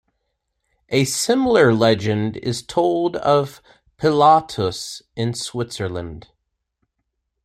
A similar legend is told of Pilatus in Switzerland.